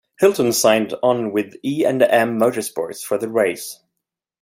Hylton signed on with E and M Motorsports for the race.